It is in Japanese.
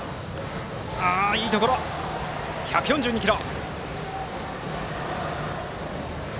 １４２キロ！